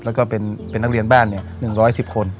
แล้วก็เป็นนักเรียนบ้าน๑๑๐คน